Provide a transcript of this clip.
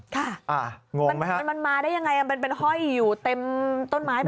ค่ะมันมาได้อย่างไรมันเป็นห้อยอยู่เต็มต้นไม้เป็นหมดหรือ